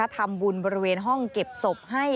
ทำบุญบริเวณห้องเก็บศพให้